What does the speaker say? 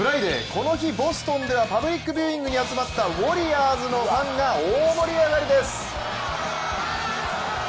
この日、ボストンでは、パブリックビューイングに集まったウォリアーズのファンが大盛り上がりです。